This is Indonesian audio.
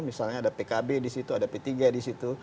misalnya ada pkb di situ ada p tiga di situ